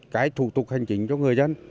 cái thủ tục hành trình cho người dân